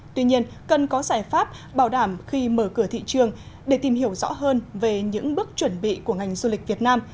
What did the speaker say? tuy nhiên cần có giải pháp bảo đảm khi mở cửa thị trường để tìm hiểu rõ hơn về những bước chuẩn bị của ngành du lịch việt nam